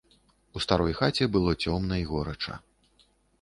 У старой хаце было цёмна і горача.